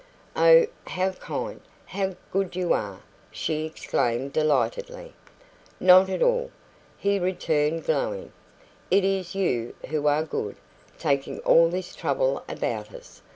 "Oh, how kind, how good you are!" she exclaimed delightedly. "Not at all," he returned, glowing. "It is you who are good, taking all this trouble about us.